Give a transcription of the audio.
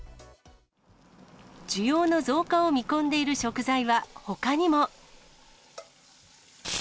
需要の増加を見込んでいる食材はほかにも。